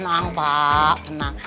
tenang pak tenang